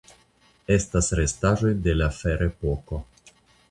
Estas restaĵoj de la Ferepoko.